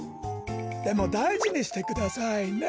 でもだいじにしてくださいね。